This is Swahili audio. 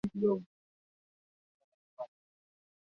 meli hiyo ilikuwa ikitumia makaa ya mawe